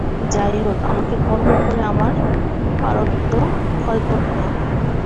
যাই হোক, আমাকে কর্ম করে আমার প্রারব্ধ ক্ষয় করতে হবে।